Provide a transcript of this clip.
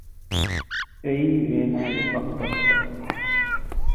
އެއީ އޭނާގެ ފަހުބަސްތައް